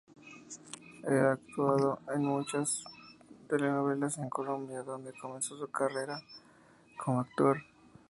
Ha actuado en muchas telenovelas en Colombia, donde comenzó su carrera como actor.